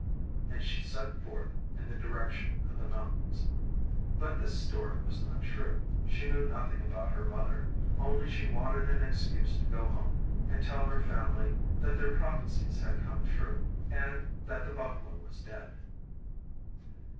And she set forth in the direction of the mountains. But this story was not true; she knew nothing about her mother, only she wanted an excuse to go home and tell her family that their prophecies had come true, and that the buffalo was dead.